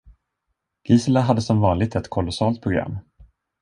Gisela hade som vanligt ett kolossalt program.